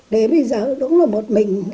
để bây giờ đúng là một mình